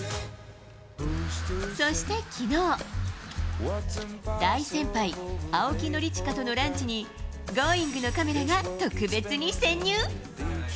そしてきのう、大先輩、青木宣親とのランチに、Ｇｏｉｎｇ！のカメラが特別に潜入。